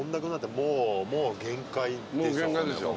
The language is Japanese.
もう限界でしょ